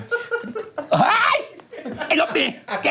เฮ้ยไอ้ลบนี้